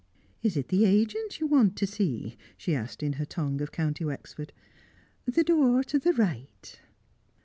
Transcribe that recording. "Is it the agent you want to see?" she asked, in her tongue of County Wexford. "The door to the right."